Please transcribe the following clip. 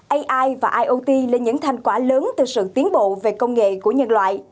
ai và iot là những thành quả lớn từ sự tiến bộ về công nghệ của nhân loại